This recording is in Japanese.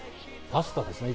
パスタですね。